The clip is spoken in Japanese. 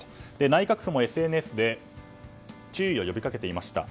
内閣府もＳＮＳで注意を呼び掛けていました。